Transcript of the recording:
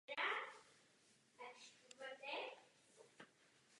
Rada chce postupovat v naprostém souladu s metodou Společenství.